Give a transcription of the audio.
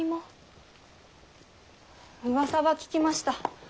うわさは聞きました。